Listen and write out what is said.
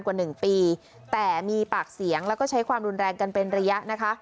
กว่าหนึ่งปีแต่มีปากเสียงแล้วก็ใช้ความรุนแรงกันเป็นระยะนะคะ